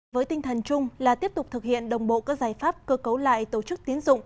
với tinh thần chung là tiếp tục thực hiện đồng bộ các giải pháp cơ cấu lại tổ chức tiến dụng